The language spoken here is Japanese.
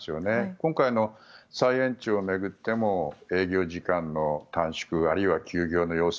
今回の再延長を巡っても営業時間の短縮あるいは休業の要請。